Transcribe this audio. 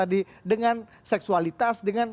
dengan seksualitas dengan